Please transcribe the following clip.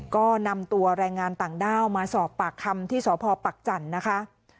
ก็นำตัวแรงงานต่างด้าวมาสอบปากคำที่สพปักจันทร์นะคะ